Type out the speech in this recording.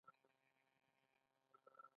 هندیانو مخالفت وکړ.